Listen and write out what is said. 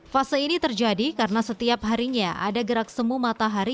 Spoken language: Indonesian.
fase ini terjadi karena setiap harinya ada gerak semu matahari